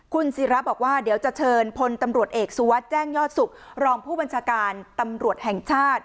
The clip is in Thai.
คุณศิราบอกว่าเดี๋ยวจะเชิญพลตำรวจเอกสุวัสดิ์แจ้งยอดสุขรองผู้บัญชาการตำรวจแห่งชาติ